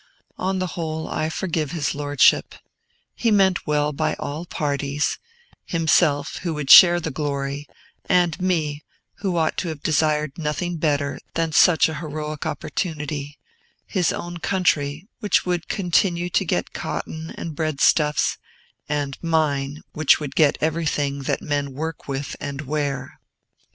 On the whole, I forgive his Lordship. He meant well by all parties, himself, who would share the glory, and me, who ought to have desired nothing better than such an heroic opportunity, his own country, which would continue to get cotton and breadstuffs, and mine, which would get everything that men work with and wear.